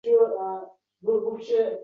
Sodiqda bosh miya saratoni aniqlandi